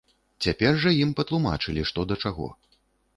Цяпер жа ім патлумачылі што да чаго.